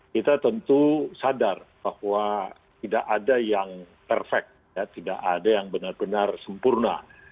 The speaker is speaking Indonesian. kita tentu sadar bahwa tidak ada yang perfect tidak ada yang benar benar sempurna